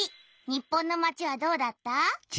日本のまちはどうだった？